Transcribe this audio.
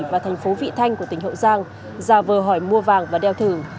và thành phố vị thanh của tỉnh hậu giang ra vờ hỏi mua vàng và đeo thử